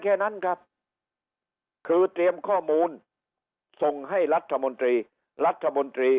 แค่นั้นครับคือเตรียมข้อมูลส่งให้รัฐมนตรีรัฐมนตรี